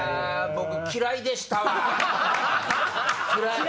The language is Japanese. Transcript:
僕嫌いでしたわ。